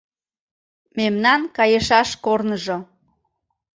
Мемнан кайышаш корныжо